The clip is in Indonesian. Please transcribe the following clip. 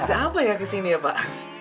ada apa ya ke sini ya pak